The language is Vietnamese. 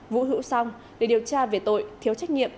vụ hữu xong để điều tra về tội thiếu trách nhiệm